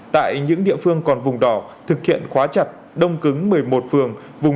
tại những địa phương còn vùng đỏ thực hiện khóa chặt đông cứng một mươi năm phường